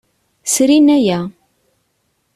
Srin aya.